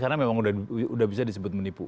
karena memang udah bisa disebut menipu